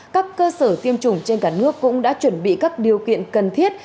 các cơ sở tiêm chủng trên cả nước cũng đã chuẩn bị các điều kiện cần thiết